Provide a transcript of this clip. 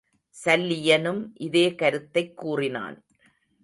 சல்லியனும் இதே கருத்தைக் கூறினான்.